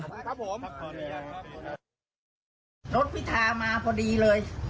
รถพิทามาพอดีเลย